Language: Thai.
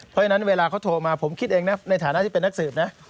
เพราะฉะนั้นเวลาเขาโทรมาผมคิดเองนะในฐานะที่เป็นนักสืบนะ